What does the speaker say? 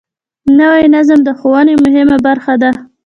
نوی نظم د ښوونې مهمه برخه ده